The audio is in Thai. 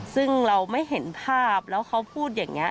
ซึ่งเราไม่เห็นภาพแล้วเขาพูดอย่างนี้